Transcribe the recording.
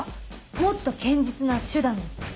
もっと堅実な手段です。